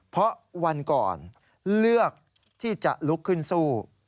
เพราะวันก่อนเลือกที่จะลุกขึ้นสู้